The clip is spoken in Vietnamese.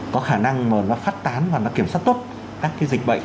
có khả năng mà nó phát tán và nó kiểm soát tốt các cái dịch bệnh